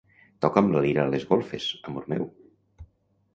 Toca'm la lira a les golfes, amor meu.